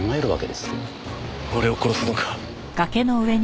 俺を殺すのか？